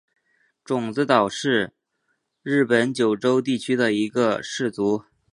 种子岛氏是日本九州地区的一个氏族。